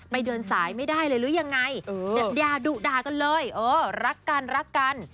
เดินสายไม่ได้เลยหรือยังไงด่าดุด่ากันเลยเออรักกันรักกัน